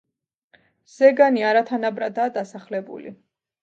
ზეგანი არათანაბრადაა დასახლებული.